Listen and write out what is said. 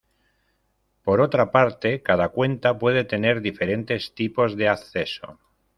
Por otra parte, cada cuenta puede tener diferentes tipos de acceso.